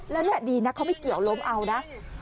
แล้วนี่ดีนะเขาไม่เกี่ยวล้มเอานะ